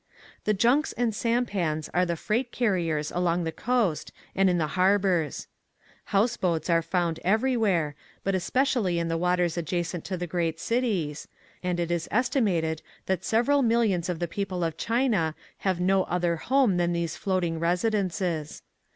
The junks and sampans are the freight carriers along the coast and in the har bors. House boats are found everywhere, but especially in the waters adjacent to the great cities, and it is estimated that sev eral millions of the people of China have no other home than these floating resi dences.